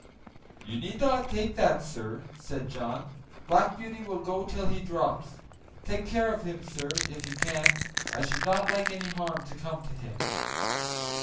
"You need not take that, sir," said John; "Black Beauty will go till he drops. Take care of him, sir, if you can; I should not like any harm to come to him."